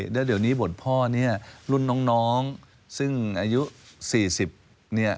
แล้วเดี๋ยวนี้บทพ่อเนี่ยรุ่นน้องซึ่งอายุ๔๐เนี่ย